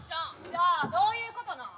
じゃあどういうことなん？